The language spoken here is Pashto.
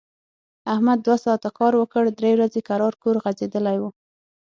احمد دوه ساعت کار وکړ، درې ورځي کرار کور غځېدلی و.